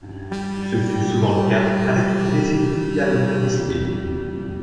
Ce fut souvent le cas avec des îles fluviales contestées.